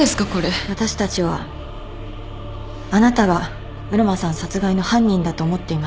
私たちはあなたが浦真さん殺害の犯人だと思っています。